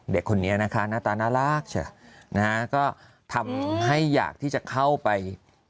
เด็กคนนี้นะคะหน้าตาน่ารักนะฮะก็ทำให้อยากที่จะเข้าไป